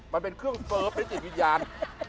มันเป็นเครื่องเซิร์ฟและจิตวิญญาณ